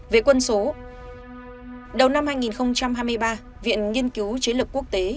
về quân số đầu năm hai nghìn hai mươi ba viện nghiên cứu chế lực quốc tế